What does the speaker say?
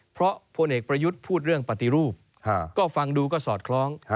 เพราะพลเอกประยุทธ์พูดเรื่องปฏิรูปก็ฟังดูก็สอดคล้อง